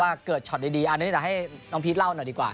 เกิดช็อตดีอันนี้เดี๋ยวให้น้องพีชเล่าหน่อยดีกว่า